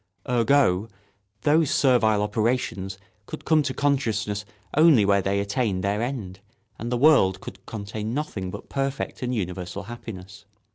Ergo, those servile operations could come to consciousness only where they attained their end, and the world could contain nothing but perfect and universal happiness.